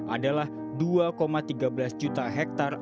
adalah dua tiga belas juta hektare